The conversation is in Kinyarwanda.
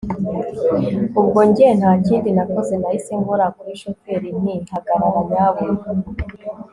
ubwonjye ntakindi nakoze nahise nkora kuri shoferi nti hagarara nyabuna